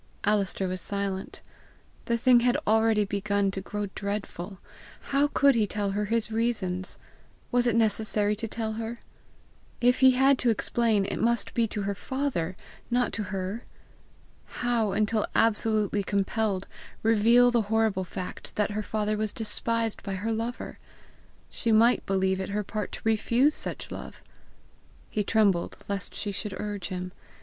Alister was silent. The thing had already begun to grow dreadful! How could he tell her his reasons! Was it necessary to tell her? If he had to explain, it must be to her father, not to her! How, until absolutely compelled, reveal the horrible fact that her father was despised by her lover! She might believe it her part to refuse such love! He trembled lest she should urge him.